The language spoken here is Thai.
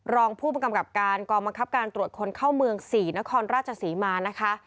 รองผู้กำกับการกองบังคับการตรวจคนเข้าเมือง๔นครราชศรีมานะคะ